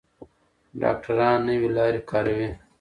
ډاکټران نوې لارې کاروي.